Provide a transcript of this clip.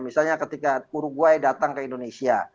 misalnya ketika uruguay datang ke indonesia